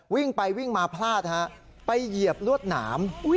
วิ่งไปวิ่งมาพลาดฮะไปเหยียบลวดหนาม